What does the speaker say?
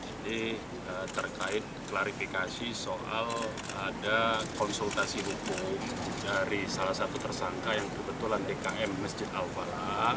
jadi terkait klarifikasi soal ada konsultasi hukum dari salah satu tersangka yang kebetulan dkm masjid al falah